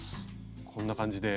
こんな感じで。